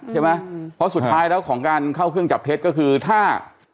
ใช่ไหมเพราะสุดท้ายแล้วของการเข้าเครื่องจับเท็จก็คือถ้า